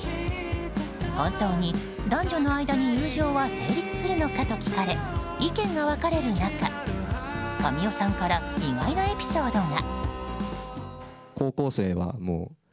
本当に男女の間に友情は成立するのかと聞かれ意見が分かれる中神尾さんから意外なエピソードが。